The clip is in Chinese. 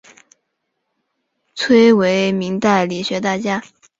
崔铣为明代理学大家。